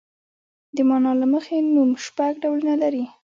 د مانا له مخې نوم شپږ ډولونه لري.